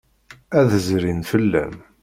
Ad d-zrin fell-am.